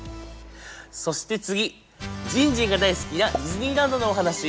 そして次じんじんが大好きなディズニーランドのお話。